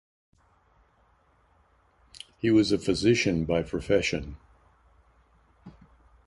He was a physician by profession.